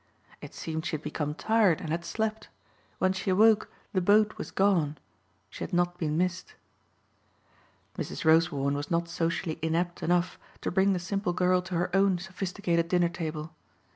It seemed she had become tired and had slept. When she awoke the boat was gone; she had not been missed. Mrs. Rosewarne was not socially inept enough to bring the simple girl to her own sophisticated dinner table.